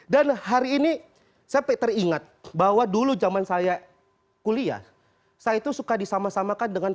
dan hari ini sampai teringat bahwa dulu zaman saya kuliah saya itu suka disama samakan dengan